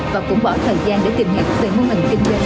và cũng bỏ thời gian để tìm hiểu về nguồn hình kinh doanh